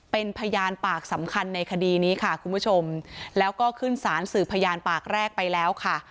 เป็นพยานปากสำคัญในคดีนี้ค่ะคุณผู้ชมแล้วก็ขึ้นสารสืบพยานปากแรกไปแล้วค่ะ